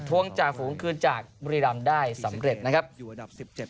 ท้วงจากฝูงคืนจากบริรามได้สำเร็จนะครับ